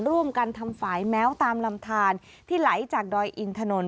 ร่วมกันทำฝ่ายแม้วตามลำทานที่ไหลจากดอยอินถนน